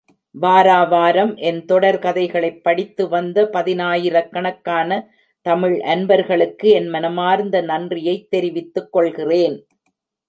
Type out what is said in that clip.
வாரா வாரம் என் தொடர் கதைகளைப் படித்து, வந்த பதினாராயிரக்கணக்கான தமிழ் அன்பர்களுக்கு என் மனமார்ந்த நன்றியைத் தெரிவித்துக்கொள்கிறேன்.